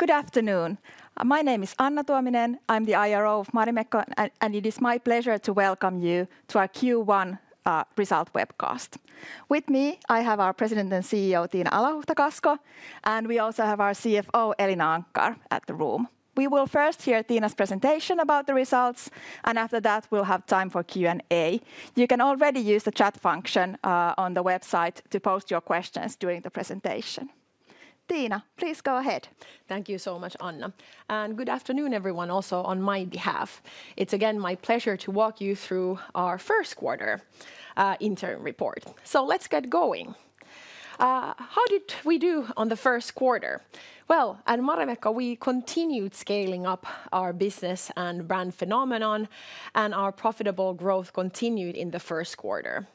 Good afternoon. My name is Anna Tuominen. I'm the IRO of Marimekko, and it is my pleasure to welcome you to our Q1 Result Webcast. With me, I have our President and CEO, Tiina Alahuhta-Kasko, and we also have our CFO, Elina Anckar, in the room. We will first hear Tiina's presentation about the results, and after that, we'll have time for Q&A. You can already use the chat function on the website to post your questions during the presentation. Tina, please go ahead. Thank you so much, Anna. Good afternoon, everyone, also on my behalf. It is again my pleasure to walk you through our first quarter interim report. Let's get going. How did we do on the first quarter? At Marimekko, we continued scaling up our business and brand phenomenon, and our profitable growth continued in the first quarter.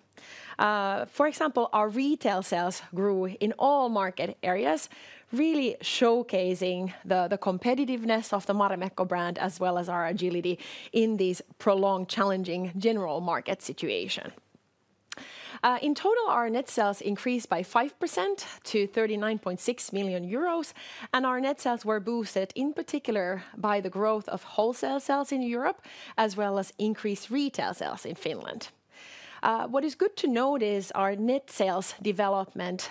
For example, our retail sales grew in all market areas, really showcasing the competitiveness of the Marimekko brand as well as our agility in this prolonged, challenging general market situation. In total, our net sales increased by 5% to 39.6 million euros, and our net sales were boosted in particular by the growth of wholesale sales in Europe, as well as increased retail sales in Finland. What is good to note is our net sales development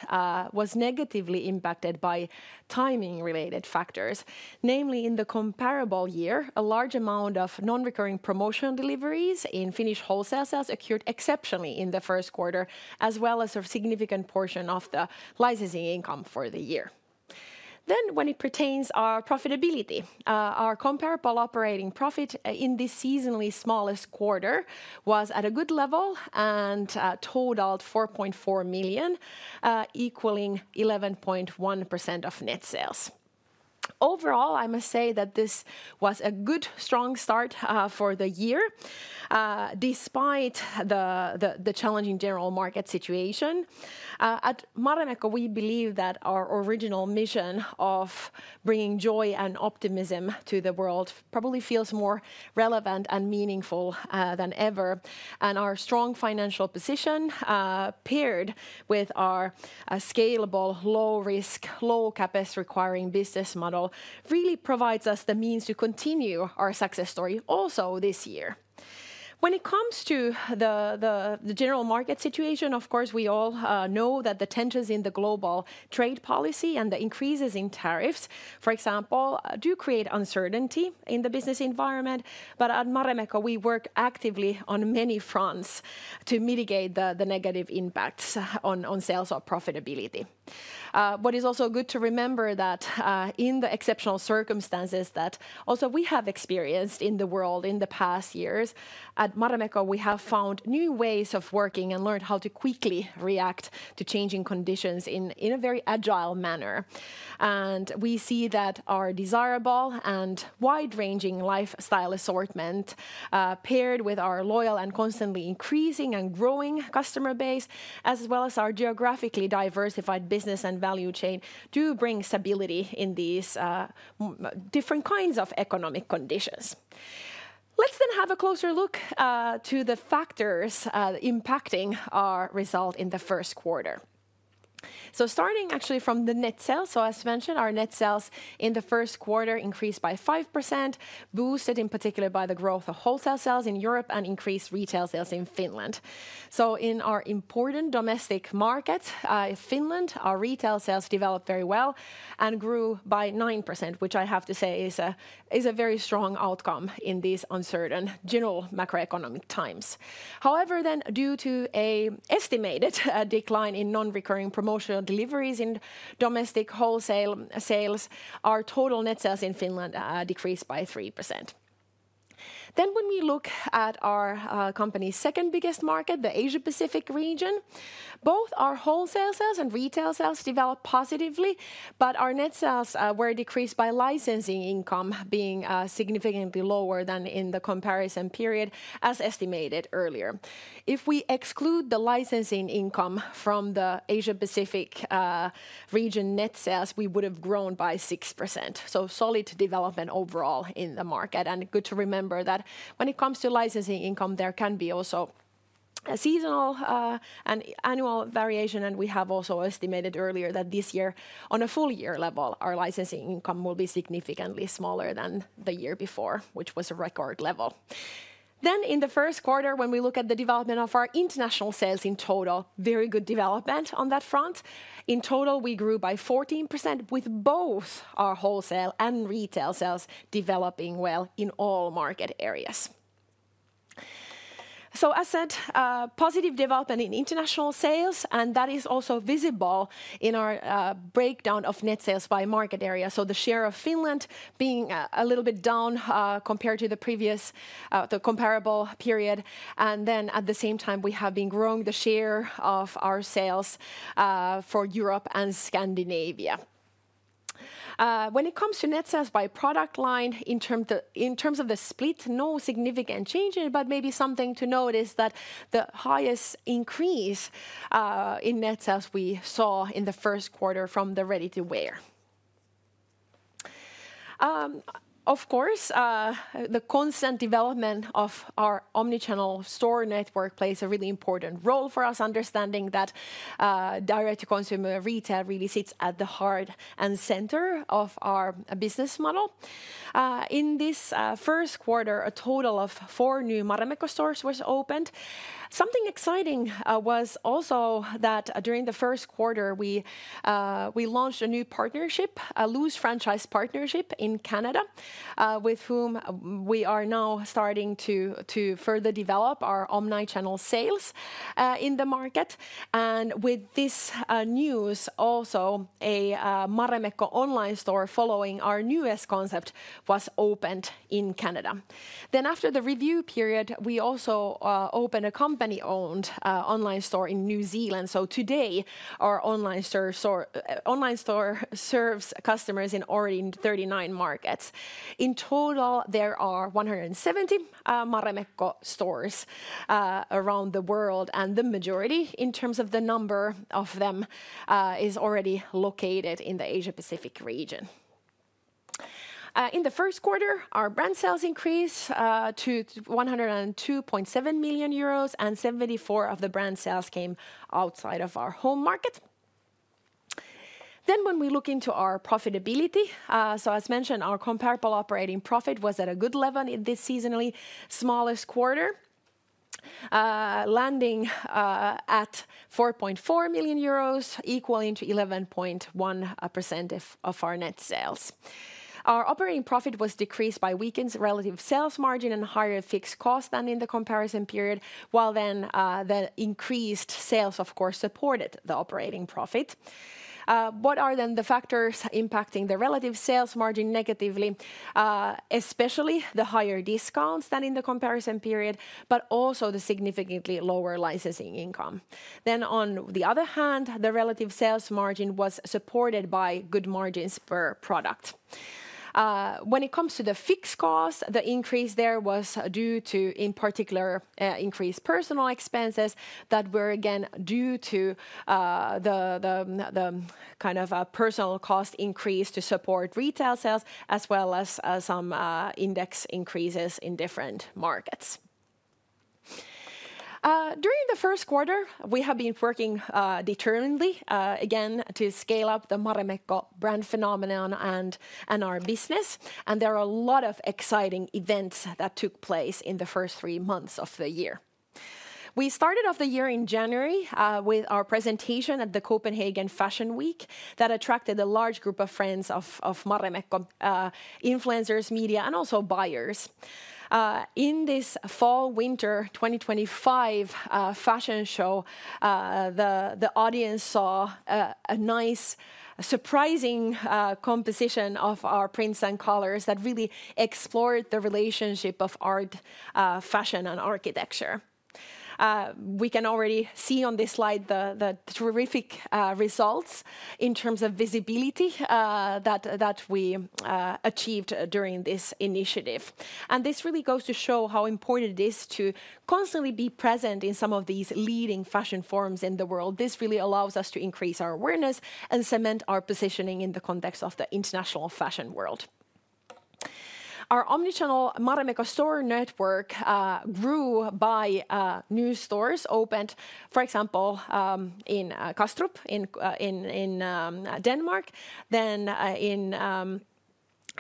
was negatively impacted by timing-related factors. Namely, in the comparable year, a large amount of non-recurring promotional deliveries in Finnish wholesale sales occurred exceptionally in the first quarter, as well as a significant portion of the licensing income for the year. When it pertains to our profitability, our comparable operating profit in this seasonally smallest quarter was at a good level and totaled 4.4 million, equaling 11.1% of net sales. Overall, I must say that this was a good, strong start for the year, despite the challenging general market situation. At Marimekko, we believe that our original mission of bringing joy and optimism to the world probably feels more relevant and meaningful than ever, and our strong financial position, paired with our scalable, low-risk, low-capex-requiring business model, really provides us the means to continue our success story also this year. When it comes to the general market situation, of course, we all know that the tensions in the global trade policy and the increases in tariffs, for example, do create uncertainty in the business environment, but at Marimekko, we work actively on many fronts to mitigate the negative impacts on sales or profitability. What is also good to remember is that in the exceptional circumstances that also we have experienced in the world in the past years, at Marimekko, we have found new ways of working and learned how to quickly react to changing conditions in a very agile manner. We see that our desirable and wide-ranging lifestyle assortment, paired with our loyal and constantly increasing and growing customer base, as well as our geographically diversified business and value chain, do bring stability in these different kinds of economic conditions. Let's then have a closer look to the factors impacting our result in the first quarter. Starting actually from the net sales, as mentioned, our net sales in the first quarter increased by 5%, boosted in particular by the growth of wholesale sales in Europe and increased retail sales in Finland. In our important domestic market, Finland, our retail sales developed very well and grew by 9%, which I have to say is a very strong outcome in these uncertain general macroeconomic times. However, due to an estimated decline in non-recurring promotional deliveries in domestic wholesale sales, our total net sales in Finland decreased by 3%. When we look at our company's second biggest market, the Asia-Pacific region, both our wholesale sales and retail sales developed positively, but our net sales were decreased by licensing income being significantly lower than in the comparison period, as estimated earlier. If we exclude the licensing income from the Asia-Pacific region net sales, we would have grown by 6%. Solid development overall in the market. It is good to remember that when it comes to licensing income, there can be also a seasonal and annual variation, and we have also estimated earlier that this year, on a full year level, our licensing income will be significantly smaller than the year before, which was a record level. In the first quarter, when we look at the development of our international sales in total, very good development on that front. In total, we grew by 14%, with both our wholesale and retail sales developing well in all market areas. As said, positive development in international sales, and that is also visible in our breakdown of net sales by market area. The share of Finland being a little bit down compared to the previous comparable period, and then at the same time, we have been growing the share of our sales for Europe and Scandinavia. When it comes to net sales by product line, in terms of the split, no significant change, but maybe something to note is that the highest increase in net sales we saw in the first quarter from the ready-to-wear. Of course, the constant development of our omnichannel store network plays a really important role for us, understanding that direct-to-consumer retail really sits at the heart and center of our business model. In this first quarter, a total of four new Marimekko stores were opened. Something exciting was also that during the first quarter, we launched a new partnership, a loose franchise partnership in Canada, with whom we are now starting to further develop our omnichannel sales in the market. With this news, also a Marimekko online store following our newest concept was opened in Canada. After the review period, we also opened a company-owned online store in New Zealand. Today, our online store serves customers in already 39 markets. In total, there are 170 Marimekko stores around the world, and the majority, in terms of the number of them, is already located in the Asia-Pacific region. In the first quarter, our brand sales increased to 102.7 million euros, and 74% of the brand sales came outside of our home market. Then, when we look into our profitability, so as mentioned, our comparable operating profit was at a good level in this seasonally smallest quarter, landing at 4.4 million euros, equaling to 11.1% of our net sales. Our operating profit was decreased by weakened relative sales margin and higher fixed costs than in the comparison period, while then the increased sales, of course, supported the operating profit. What are then the factors impacting the relative sales margin negatively, especially the higher discounts than in the comparison period, but also the significantly lower licensing income? Then, on the other hand, the relative sales margin was supported by good margins per product. When it comes to the fixed cost, the increase there was due to, in particular, increased personnel expenses that were again due to the kind of personnel cost increase to support retail sales, as well as some index increases in different markets. During the first quarter, we have been working determinedly, again, to scale up the Marimekko brand phenomenon and our business, and there are a lot of exciting events that took place in the first three months of the year. We started off the year in January with our presentation at the Copenhagen Fashion Week that attracted a large group of friends of Marimekko, influencers, media, and also buyers. In this Fall-Winter 2025 Fashion Show, the audience saw a nice, surprising composition of our prints and colors that really explored the relationship of art, fashion, and architecture. We can already see on this slide the terrific results in terms of visibility that we achieved during this initiative. This really goes to show how important it is to constantly be present in some of these leading fashion forums in the world. This really allows us to increase our awareness and cement our positioning in the context of the international fashion world. Our omnichannel Marimekko store network grew by new stores opened, for example, in Kastrup in Denmark,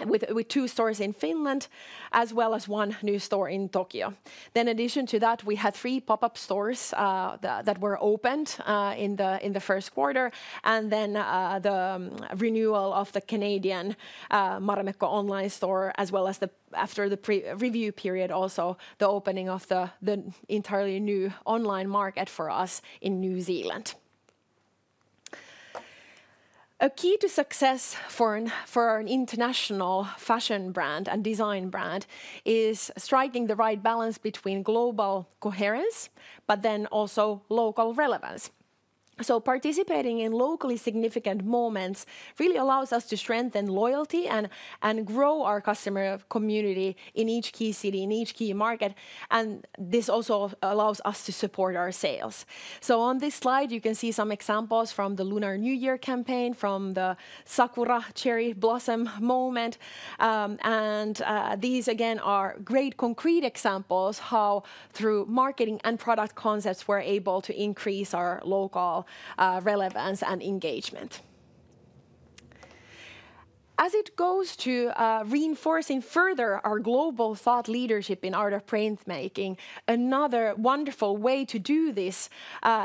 with two stores in Finland, as well as one new store in Tokyo. In addition to that, we had three pop-up stores that were opened in the first quarter, and the renewal of the Canadian Marimekko online store, as well as, after the review period, also the opening of the entirely new online market for us in New Zealand. A key to success for an international fashion brand and design brand is striking the right balance between global coherence, but then also local relevance. Participating in locally significant moments really allows us to strengthen loyalty and grow our customer community in each key city, in each key market, and this also allows us to support our sales. On this slide, you can see some examples from the Lunar New Year campaign, from the Sakura cherry blossom moment, and these, again, are great concrete examples of how, through marketing and product concepts, we are able to increase our local relevance and engagement. As it goes to reinforcing further our global thought leadership in art of printmaking, another wonderful way to do this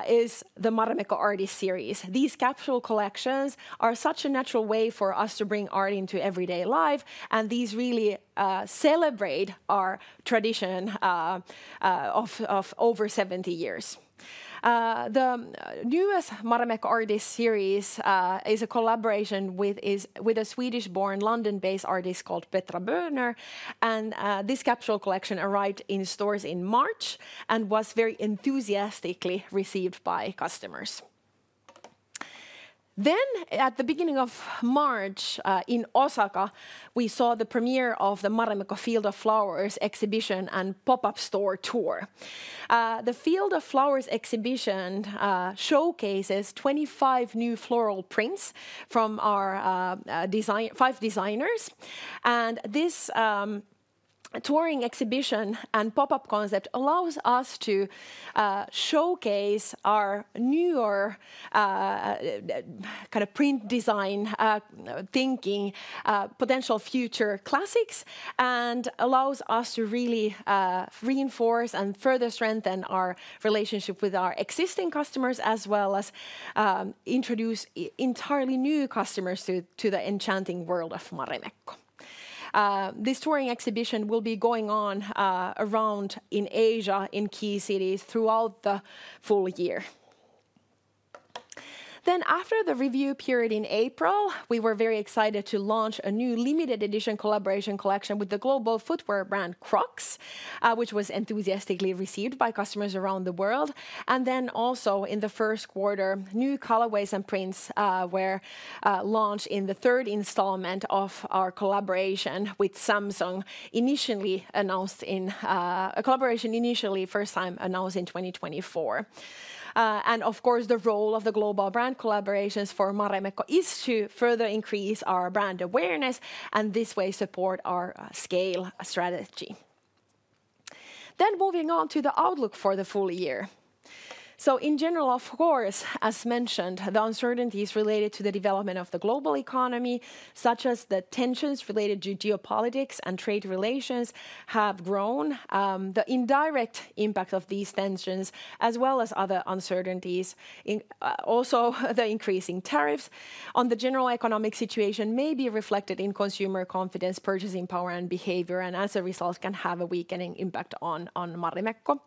is the Marimekko Artist Series. These capsule collections are such a natural way for us to bring art into everyday life, and these really celebrate our tradition of over 70 years. The newest Marimekko Artist Series is a collaboration with a Swedish-born, London-based artist called Petra Böner, and this capsule collection arrived in stores in March and was very enthusiastically received by customers. At the beginning of March in Osaka, we saw the premiere of the Marimekko Field of Flowers exhibition and pop-up store tour. The Field of Flowers Exhibition showcases 25 new floral prints from our five designers, and this touring exhibition and pop-up concept allows us to showcase our newer kind of print design thinking, potential future classics, and allows us to really reinforce and further strengthen our relationship with our existing customers, as well as introduce entirely new customers to the enchanting world of Marimekko. This touring exhibition will be going on around in Asia, in key cities, throughout the full year. After the review period in April, we were very excited to launch a new limited edition collaboration collection with the global footwear brand Crocs, which was enthusiastically received by customers around the world. Also, in the first quarter, new colorways and prints were launched in the third installment of our collaboration with Samsung, initially first time announced in 2024. Of course, the role of the global brand collaborations for Marimekko is to further increase our brand awareness and this way support our scale strategy. Moving on to the outlook for the full year. In general, of course, as mentioned, the uncertainties related to the development of the global economy, such as the tensions related to geopolitics and trade relations, have grown. The indirect impact of these tensions, as well as other uncertainties, also the increasing tariffs on the general economic situation, may be reflected in consumer confidence, purchasing power, and behavior, and as a result, can have a weakening impact on Marimekko.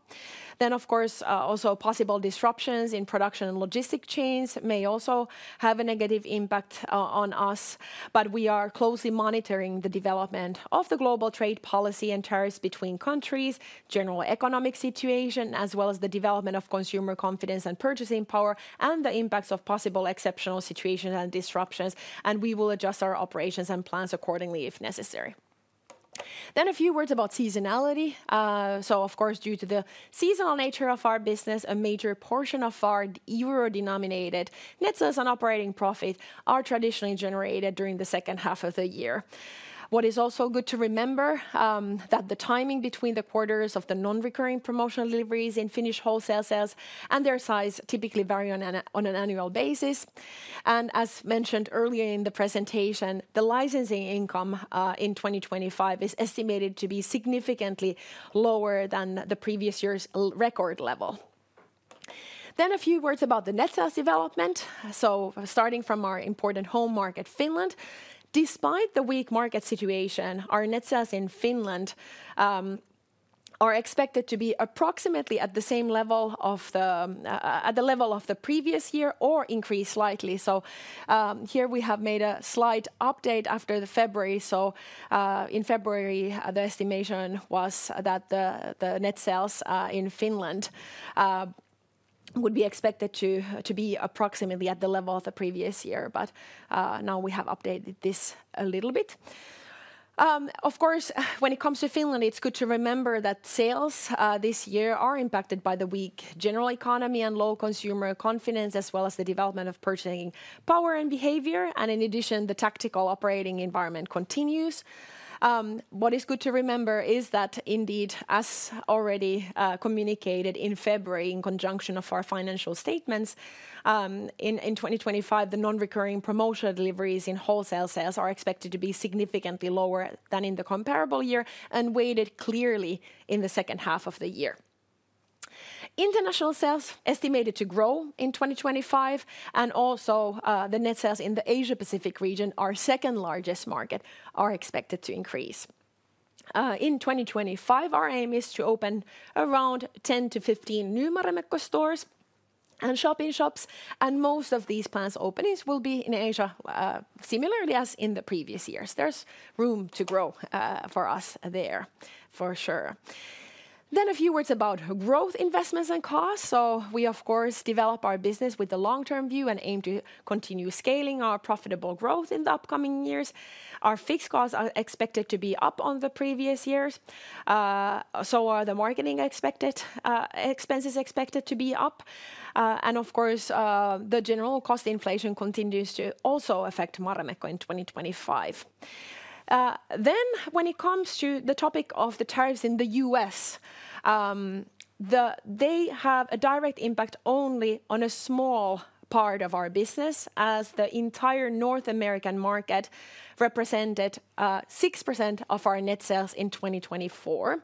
Of course, also possible disruptions in production and logistic chains may also have a negative impact on us, but we are closely monitoring the development of the global trade policy and tariffs between countries, general economic situation, as well as the development of consumer confidence and purchasing power, and the impacts of possible exceptional situations and disruptions, and we will adjust our operations and plans accordingly if necessary. A few words about seasonality. Due to the seasonal nature of our business, a major portion of our Euro-denominated net sales and operating profit are traditionally generated during the second half of the year. What is also good to remember is that the timing between the quarters of the non-recurring promotional deliveries in Finnish wholesale sales and their size typically vary on an annual basis. As mentioned earlier in the presentation, the licensing income in 2025 is estimated to be significantly lower than the previous year's record level. A few words about the net sales development. Starting from our important home market, Finland, despite the weak market situation, our net sales in Finland are expected to be approximately at the same level of the previous year or increase slightly. Here we have made a slight update after February. In February, the estimation was that the net sales in Finland would be expected to be approximately at the level of the previous year, but now we have updated this a little bit. Of course, when it comes to Finland, it's good to remember that sales this year are impacted by the weak general economy and low consumer confidence, as well as the development of purchasing power and behavior, and in addition, the tactical operating environment continues. What is good to remember is that indeed, as already communicated in February in conjunction of our financial statements, in 2025, the non-recurring promotional deliveries in wholesale sales are expected to be significantly lower than in the comparable year and weighted clearly in the second half of the year. International sales estimated to grow in 2025, and also the net sales in the Asia-Pacific region, our second largest market, are expected to increase. In 2025, our aim is to open around 10-15 new Marimekko stores and shopping shops, and most of these plans' openings will be in Asia, similarly as in the previous years. There's room to grow for us there, for sure. A few words about growth, investments, and costs. We, of course, develop our business with the long-term view and aim to continue scaling our profitable growth in the upcoming years. Our fixed costs are expected to be up on the previous years. Marketing expenses are expected to be up, and the general cost inflation continues to also affect Marimekko in 2025. When it comes to the topic of the tariffs in the U.S., they have a direct impact only on a small part of our business, as the entire North American market represented 6% of our net sales in 2024.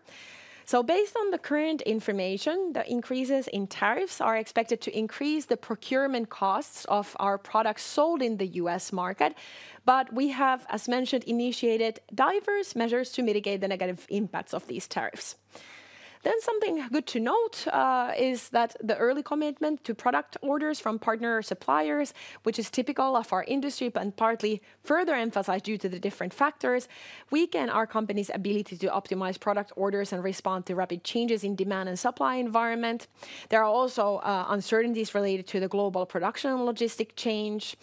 Based on the current information, the increases in tariffs are expected to increase the procurement costs of our products sold in the U.S. market, but we have, as mentioned, initiated diverse measures to mitigate the negative impacts of these tariffs. Something good to note is that the early commitment to product orders from partner suppliers, which is typical of our industry but partly further emphasized due to the different factors, weakens our company's ability to optimize product orders and respond to rapid changes in demand and supply environment. There are also uncertainties related to the global production and logistic change,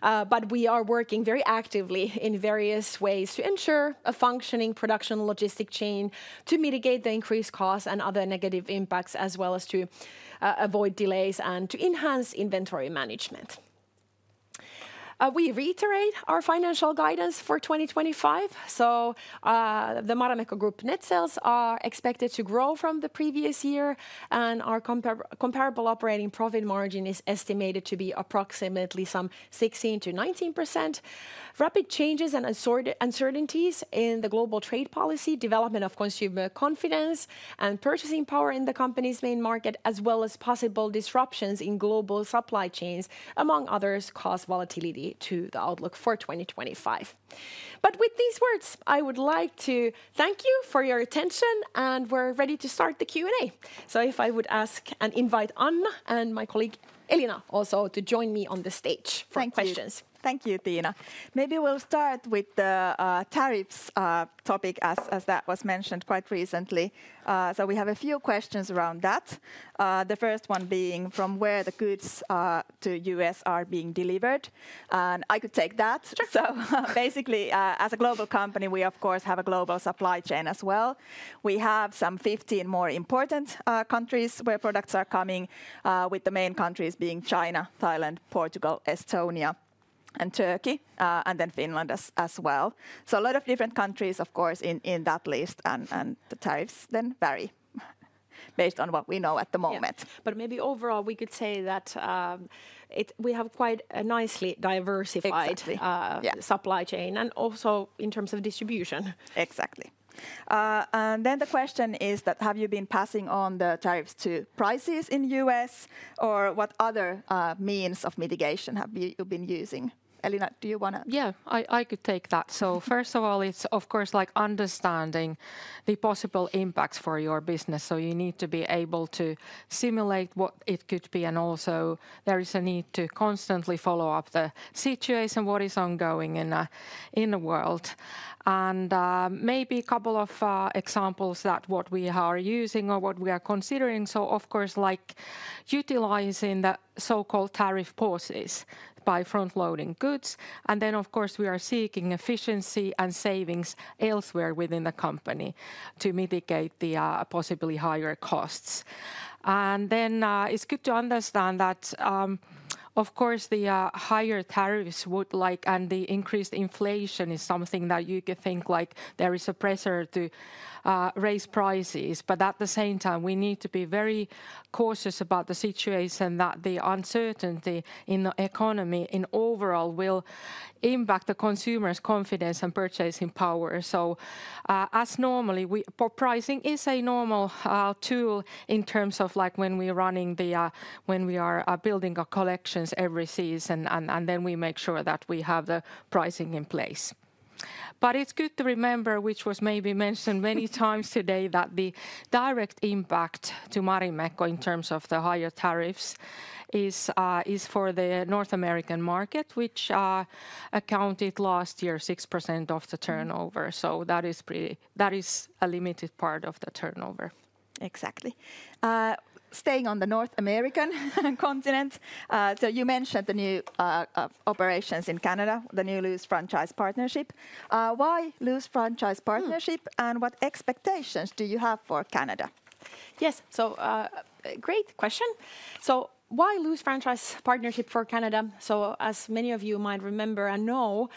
but we are working very actively in various ways to ensure a functioning production logistic chain to mitigate the increased costs and other negative impacts, as well as to avoid delays and to enhance inventory management. We reiterate our financial guidance for 2025. The Marimekko Group net sales are expected to grow from the previous year, and our comparable operating profit margin is estimated to be approximately some 16-19%. Rapid changes and uncertainties in the global trade policy, development of consumer confidence and purchasing power in the company's main market, as well as possible disruptions in global supply chains, among others, cause volatility to the outlook for 2025. With these words, I would like to thank you for your attention, and we're ready to start the Q&A. If I would ask and invite Anna and my colleague Elina also to join me on the stage for questions. Thank you, Tiina. Maybe we'll start with the tariffs topic, as that was mentioned quite recently. We have a few questions around that. The first one being from where the goods to the U.S. are being delivered. I could take that. Basically, as a Global company, we, of course, have a global supply chain as well. We have some 15 more important countries where products are coming, with the main countries being China, Thailand, Portugal, Estonia, and Turkey, and then Finland as well. A lot of different countries, of course, in that list, and the tariffs then vary based on what we know at the moment. Maybe overall, we could say that we have quite nicely diversified the supply chain and also in terms of distribution. Exactly. The question is, have you been passing on the tariffs to prices in the U.S., or what other means of mitigation have you been using? Elina, do you want to? Yeah, I could take that. First of all, it is, of course, like understanding the possible impacts for your business. You need to be able to simulate what it could be, and also there is a need to constantly follow up the situation, what is ongoing in the world. Maybe a couple of examples that what we are using or what we are considering. Of course, like utilizing the so-called tariff pauses by front-loading goods, and then of course we are seeking efficiency and savings elsewhere within the company to mitigate the possibly higher costs. It is good to understand that, of course, the higher tariffs would like, and the increased inflation is something that you could think like there is a pressure to raise prices, but at the same time we need to be very cautious about the situation that the uncertainty in the economy in overall will impact the consumer's confidence and purchasing power. As normally, pricing is a normal tool in terms of like when we are running the, when we are building our collections every season, and then we make sure that we have the pricing in place. It is good to remember, which was maybe mentioned many times today, that the direct impact to Marimekko in terms of the higher tariffs is for the North American market, which accounted last year for 6% of the turnover. That is a limited part of the turnover. Exactly. Staying on the North American continent, you mentioned the new operations in Canada, the new Luz Franchise Partnership. Why Luz Franchise Partnership, and what expectations do you have for Canada? Yes, great question. Why Luz Franchise Partnership for Canada? As many of you might remember and know,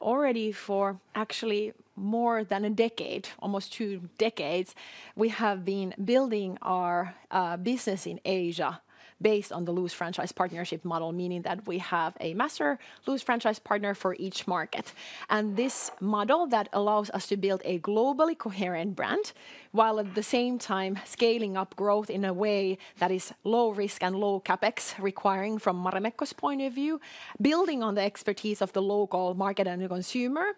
already for actually more than a decade, almost two decades, we have been building our business in Asia based on the Luz Franchise Partnership Model, meaning that we have a Master Luz Franchise partner for each market. This model allows us to build a globally coherent brand while at the same time scaling up growth in a way that is low risk and low CapEx requiring from Marimekko's point of view. Building on the expertise of the local market and the consumer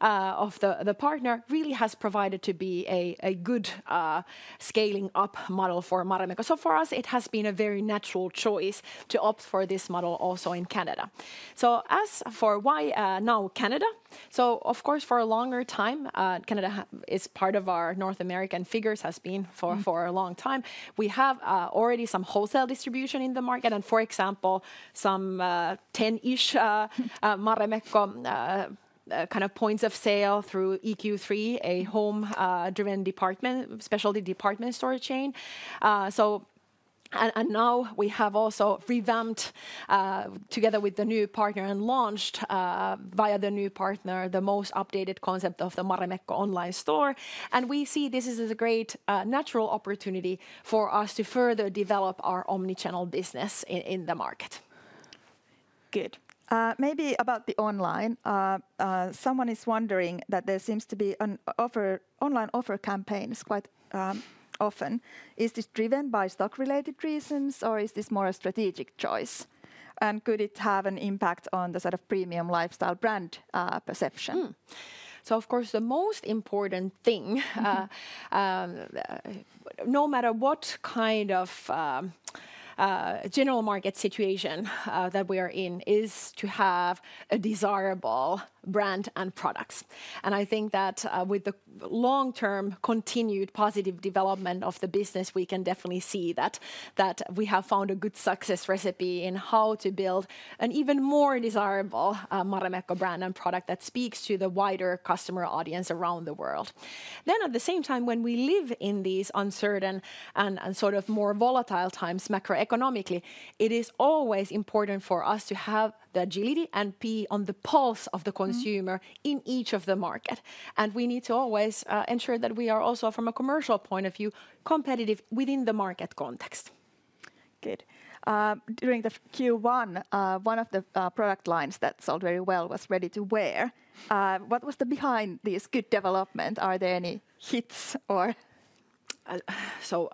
of the partner really has proven to be a good scaling up model for Marimekko. For us, it has been a very natural choice to opt for this model also in Canada. As for why now Canada? Of course, for a longer time, Canada is part of our North American figures, has been for a long time. We have already some wholesale distribution in the market and, for example, some 10-ish Marimekko kind of points of sale through EQ3, a home-driven department, specialty department store chain. Now we have also revamped together with the new partner and launched via the new partner the most updated concept of the Marimekko online store. We see this is a great natural opportunity for us to further develop our omnichannel business in the market. Good. Maybe about the online. Someone is wondering that there seems to be an online offer campaigns quite often. Is this driven by stock-related reasons or is this more a strategic choice? And could it have an impact on the sort of premium lifestyle brand perception? Of course the most important thing, no matter what kind of general market situation that we are in, is to have a desirable brand and products. I think that with the long-term continued positive development of the business, we can definitely see that we have found a good success recipe in how to build an even more desirable Marimekko brand and product that speaks to the wider customer audience around the world. At the same time, when we live in these uncertain and sort of more volatile times macroeconomically, it is always important for us to have the agility and be on the pulse of the consumer in each of the market. We need to always ensure that we are also from a commercial point of view competitive within the market context. Good. During the Q1, one of the product lines that sold very well was ready to wear. What was the behind this good development? Are there any hits or?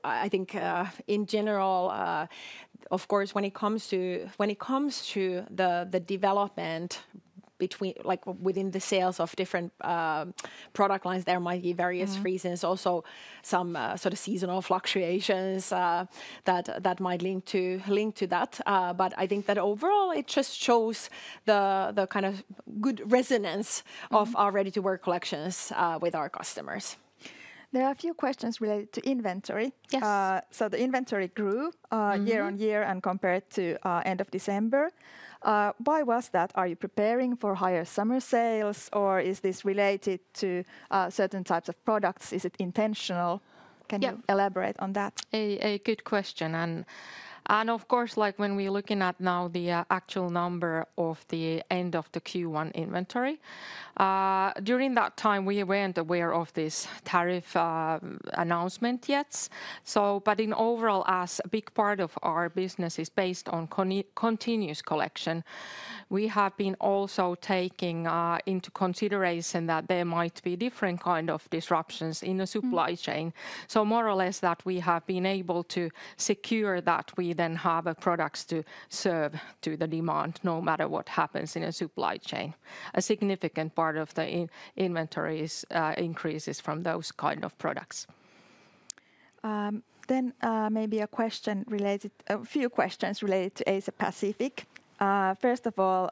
I think in general, of course when it comes to the development between like within the sales of different product lines, there might be various reasons. Also some sort of seasonal fluctuations that might link to that. I think that overall it just shows the kind of good resonance of our ready-to-wear collections with our customers. There are a few questions related to inventory. The inventory grew year-on-year and compared to end of December. Why was that? Are you preparing for higher summer sales or is this related to certain types of products? Is it intentional? Can you elaborate on that? A good question. Of course, like when we're looking at now the actual number of the end of the Q1 inventory, during that time we weren't aware of this tariff announcement yet. In overall, as a big part of our business is based on continuous collection, we have been also taking into consideration that there might be different kinds of disruptions in the supply chain. More or less, we have been able to secure that we then have products to serve to the demand no matter what happens in a supply chain. A significant part of the inventory increases from those kinds of products. Maybe a question related, a few questions related to Asia-Pacific. First of all,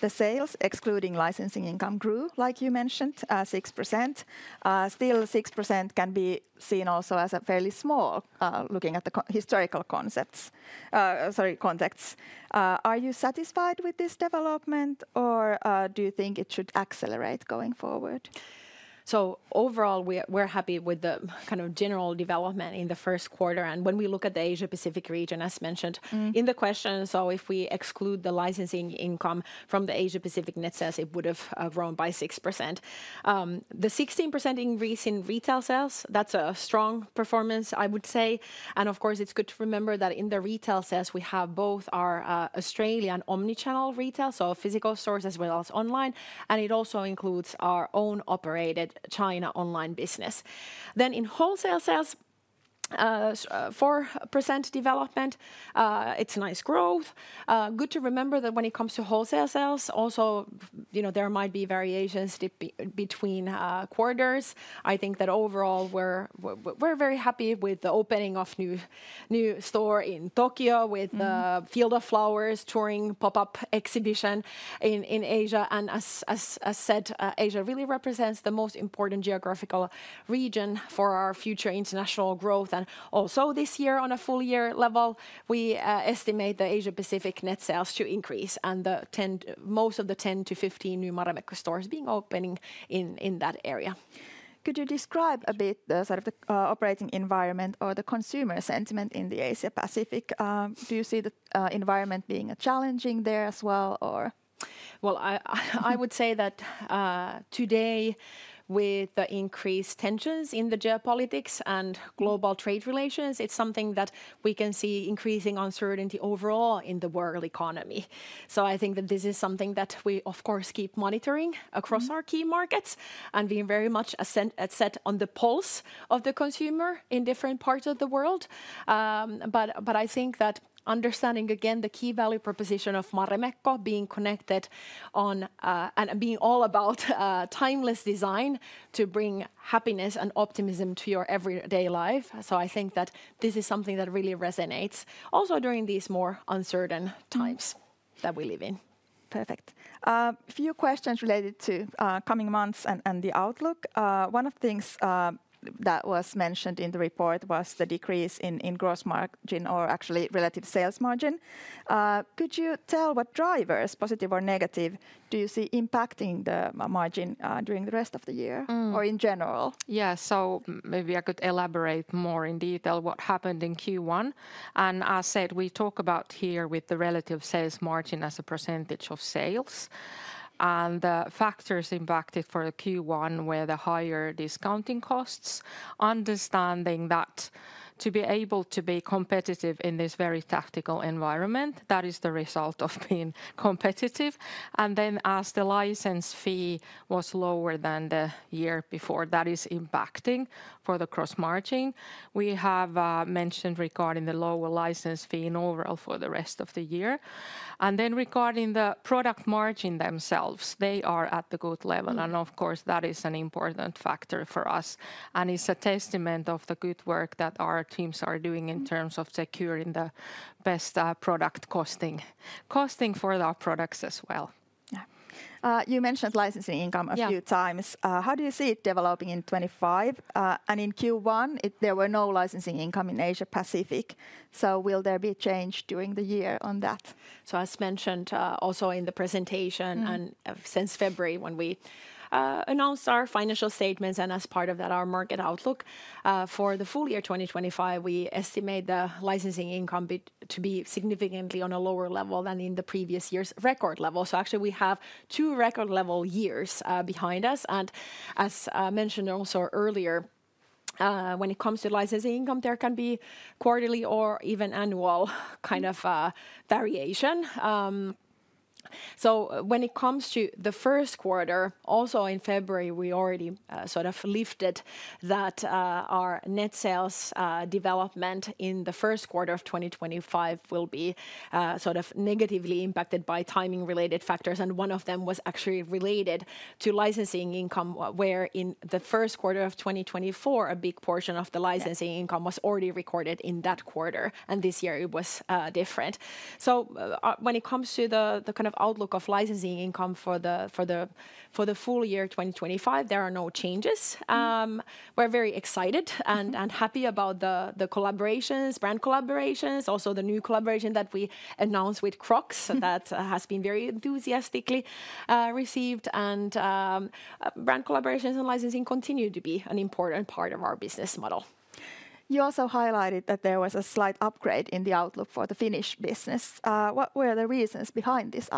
the sales excluding licensing income grew, like you mentioned, 6%. Still, 6% can be seen also as fairly small looking at the historical contexts. Sorry, contexts. Are you satisfied with this development or do you think it should accelerate going forward? Overall, we're happy with the kind of general development in the first quarter. When we look at the Asia-Pacific region, as mentioned in the questions, if we exclude the licensing income from the Asia-Pacific net sales, it would have grown by 6%. The 16% increase in retail sales, that's a strong performance, I would say. Of course, it's good to remember that in the retail sales, we have both our Australian omnichannel retail, so physical stores as well as online. It also includes our own operated China online business. In wholesale sales, 4% development, it's a nice growth. Good to remember that when it comes to wholesale sales, also there might be variations between quarters. I think that overall we're very happy with the opening of a new store in Tokyo with the Field of Flowers touring pop-up exhibition in Asia. As said, Asia really represents the most important geographical region for our future international growth. Also this year on a full year level, we estimate the Asia-Pacific net sales to increase and most of the 10-15 new Marimekko stores being opening in that area. Could you describe a bit the sort of the operating environment or the consumer sentiment in the Asia-Pacific? Do you see the environment being challenging there as well or? I would say that today with the increased tensions in the geopolitics and global trade relations, it's something that we can see increasing uncertainty overall in the world economy. I think that this is something that we, of course, keep monitoring across our key markets and being very much set on the pulse of the consumer in different parts of the world. I think that understanding again the key value proposition of Marimekko being connected on and being all about timeless design to bring happiness and optimism to your everyday life. I think that this is something that really resonates also during these more uncertain times that we live in. Perfect. A few questions related to coming months and the Outlook. One of the things that was mentioned in the report was the decrease in gross margin or actually relative sales margin. Could you tell what drivers, positive or negative, do you see impacting the margin during the rest of the year or in general? Yeah, maybe I could elaborate more in detail what happened in Q1. As said, we talk about here with the relative sales margin as a percentage of sales and the factors impacted for Q1 were the higher discounting costs, understanding that to be able to be competitive in this very tactical environment, that is the result of being competitive. As the license fee was lower than the year before, that is impacting for the gross margin. We have mentioned regarding the lower license fee in overall for the rest of the year. Regarding the product margin themselves, they are at the good level. Of course, that is an important factor for us. It is a testament of the good work that our teams are doing in terms of securing the best product costing for our products as well. You mentioned licensing income a few times. How do you see it developing in 2025? In Q1, there were no licensing income in Asia-Pacific. Will there be a change during the year on that? As mentioned also in the presentation and since February when we announced our financial statements and as part of that our market outlook for the full year 2025, we estimate the licensing income to be significantly on a lower level than in the previous year's record level. We have two record level years behind us. As mentioned also earlier, when it comes to licensing income, there can be quarterly or even annual kind of variation. When it comes to the first quarter, also in February, we already sort of lifted that our net sales development in the first quarter of 2025 will be sort of negatively impacted by timing-related factors. One of them was actually related to licensing income where in the first quarter of 2024, a big portion of the licensing income was already recorded in that quarter. This year it was different. When it comes to the kind of outlook of licensing income for the full year 2025, there are no changes. We're very excited and happy about the collaborations, brand collaborations, also the new collaboration that we announced with Crocs that has been very enthusiastically received. Brand collaborations and licensing continue to be an important part of our business model. You also highlighted that there was a slight upgrade in the outlook for the Finnish business. What were the reasons behind this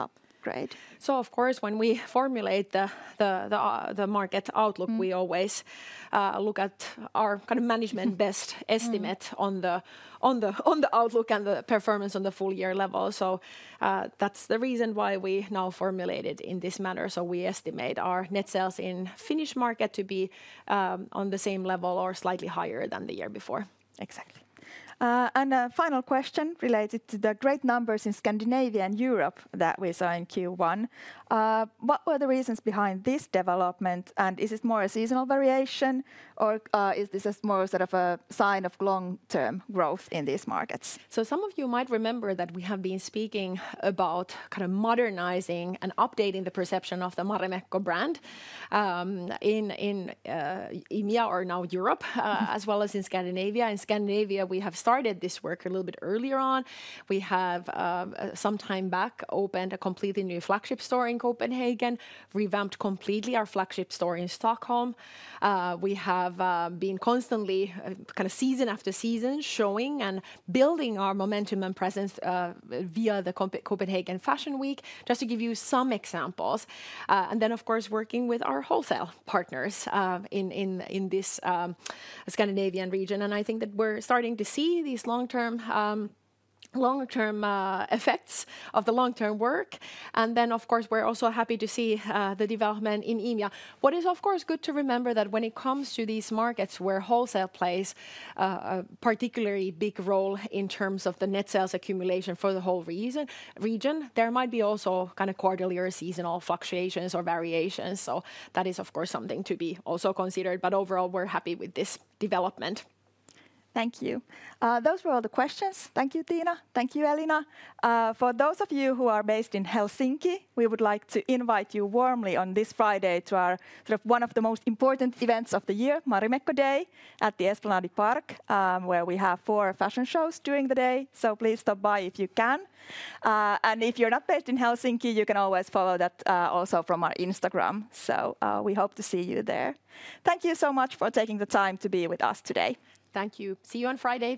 upgrade? Of course, when we formulate the market outlook, we always look at our kind of management best estimate on the outlook and the performance on the full year level. That is the reason why we now formulate it in this manner. We estimate our net sales in the Finnish market to be on the same level or slightly higher than the year before. Exactly. A final question related to the great numbers in Scandinavia and Europe that we saw in Q1. What were the reasons behind this development? Is it more a seasonal variation or is this more sort of a sign of long-term growth in these markets? Some of you might remember that we have been speaking about kind of modernizing and updating the perception of the Marimekko brand in India or now Europe, as well as in Scandinavia. In Scandinavia, we have started this work a little bit earlier on. We have some time back opened a completely new flagship store in Copenhagen, revamped completely our flagship store in Stockholm. We have been constantly kind of season after season showing and building our momentum and presence via the Copenhagen Fashion Week just to give you some examples. Of course, working with our wholesale partners in this Scandinavian region. I think that we're starting to see these long-term effects of the long-term work. Of course, we're also happy to see the development in India. What is of course good to remember is that when it comes to these markets where wholesale plays a particularly big role in terms of the net sales accumulation for the whole region, there might also be kind of quarterly or seasonal fluctuations or variations. That is of course something to be also considered. Overall, we're happy with this development. Thank you. Those were all the questions. Thank you, Tiina. Thank you, Elina. For those of you who are based in Helsinki, we would like to invite you warmly on this Friday to our sort of one of the most important events of the year, Marimekko Day at the Esplanadi Park, where we have four fashion shows during the day. Please stop by if you can. If you're not based in Helsinki, you can always follow that also from our Instagram. We hope to see you there. Thank you so much for taking the time to be with us today. Thank you. See you on Friday.